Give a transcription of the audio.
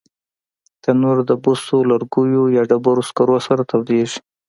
تنور د بوسو، لرګیو یا ډبرو سکرو سره تودېږي